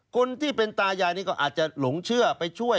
คนที่เป็นตายายนี่ก็อาจจะหลงเชื่อไปช่วย